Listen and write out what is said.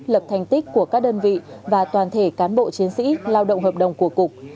lập thành tích của các đơn vị và toàn thể cán bộ chiến sĩ lao động hợp đồng của cục